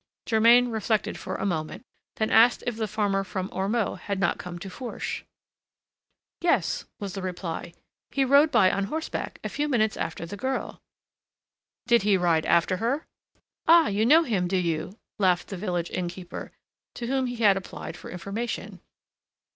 Germain reflected a moment, then asked if the farmer from Ormeaux had not come to Fourche. "Yes," was the reply; "he rode by on horseback a few minutes after the girl." "Did he ride after her?" "Ah! you know him, do you?" laughed the village innkeeper, to whom he had applied for information.